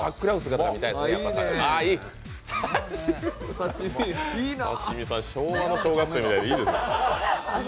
刺身さん、昭和の小学生みたいでいいですね。